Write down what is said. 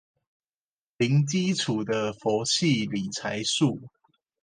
零基礎的佛系理財術